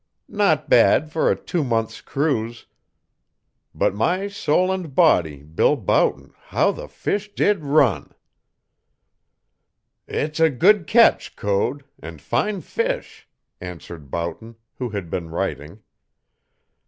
Not bad for a two months' cruise, but my soul and body, Bill Boughton, how the fish did run!" "It's a good catch, Code, and fine fish," answered Boughton, who had been writing.